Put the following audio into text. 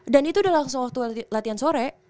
itu udah langsung waktu latihan sore